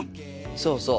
そうそう。